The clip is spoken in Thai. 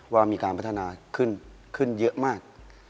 ว่ามีการพัฒนาขึ้นเยอะมาก